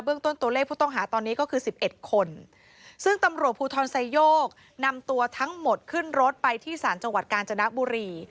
ต้นตัวเลขผู้ต้องหาตอนนี้ก็คือ๑๑คนซึ่งตำรวจภูทรไซโยกนำตัวทั้งหมดขึ้นรถไปที่ศาลจังหวัดกาญจนบุรี